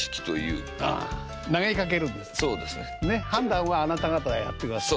判断はあなた方がやってください。